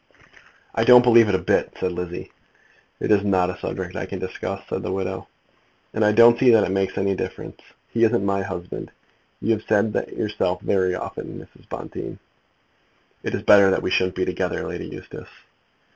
"I don't believe it a bit," said Lizzie. "It is not a subject I can discuss," said the widow. "And I don't see that it makes any difference. He isn't my husband. You have said that yourself very often, Mrs. Bonteen." "It is better that we shouldn't be together, Lady Eustace."